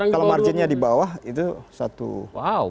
kalau marginnya di bawah itu satu